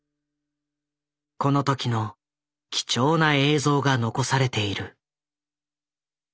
この時の貴重な映像が残されている。